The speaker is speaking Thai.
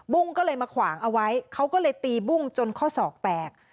ก็เลยมาขวางเอาไว้เขาก็เลยตีบุ้งจนข้อศอกแตก